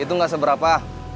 itu gak seberapa